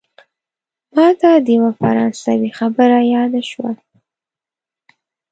ماته د یوه فرانسوي خبره یاده شوه.